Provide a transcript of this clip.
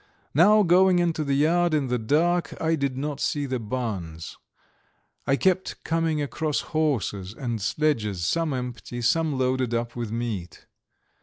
Now going into the yard in the dark I did not see the barns; I kept coming across horses and sledges, some empty, some loaded up with meat.